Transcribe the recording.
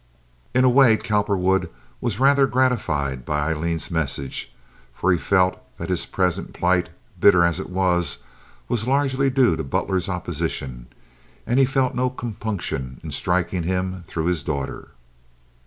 In a way, Cowperwood was rather gratified by Aileen's message, for he felt that his present plight, bitter as it was, was largely due to Butler's opposition and he felt no compunction in striking him through his daughter.